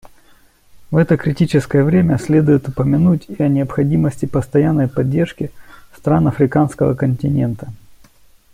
В это критическое время следует упомянуть и о необходимости постоянной поддержки стран африканского континента.